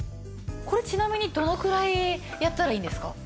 これちなみにどのくらいやったらいいんですか？